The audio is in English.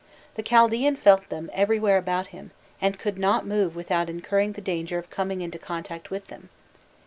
The Chaldean felt them everywhere about him, and could not move without incurring the danger of coming into contact with them.